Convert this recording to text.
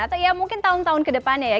atau ya mungkin tahun tahun kedepannya ya